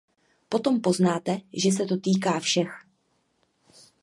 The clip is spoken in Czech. Potom poznáte, že se to týká všech.